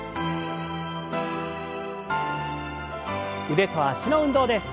腕と脚の運動です。